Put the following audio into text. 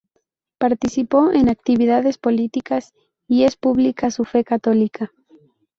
Participó en actividades políticas, y es pública su fe católica.